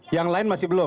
yang lain masih belum